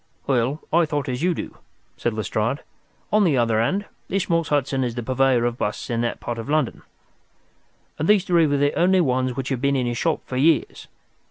"Well, I thought as you do," said Lestrade. "On the other hand, this Morse Hudson is the purveyor of busts in that part of London, and these three were the only ones which had been in his shop for years.